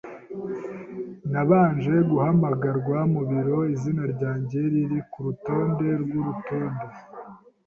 Nabanje guhamagarwa mu biro, izina ryanjye riri ku rutonde rw'urutonde.